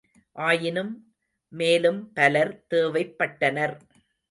ஆயினும், மேலும் பலர் தேவைப்பட்டனர்.